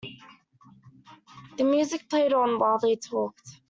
The music played on while they talked.